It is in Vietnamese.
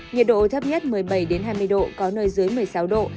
nhiệt độ thấp nhất một mươi bảy hai mươi độ có nơi dưới một mươi sáu độ